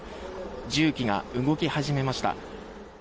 重機が動き始めました。